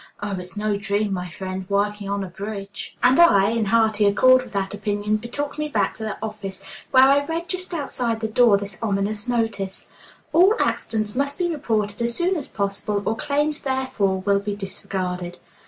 Oh, it's no dream, my friend, working on a bridge!" And I, in hearty accord with that opinion, betook me back to the office, where I read just outside the door this ominous notice: "All accidents must be reported as soon as possible, or claims therefor will be disregarded."